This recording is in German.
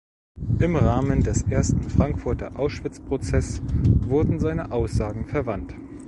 Im Rahmen des ersten Frankfurter Auschwitzprozess wurden seine Aussagen verwandt.